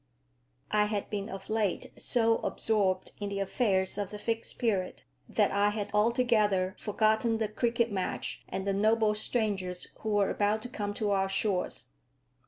I had been of late so absorbed in the affairs of the Fixed Period, that I had altogether forgotten the cricket match and the noble strangers who were about to come to our shores.